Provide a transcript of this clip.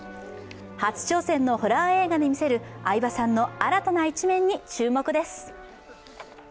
初挑戦のホラー映画で見せる相葉さんの新たな一面に注目です。